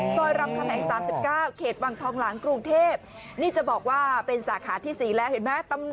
รำคำแหง๓๙เขตวังทองหลังกรุงเทพนี่จะบอกว่าเป็นสาขาที่๔แล้วเห็นไหม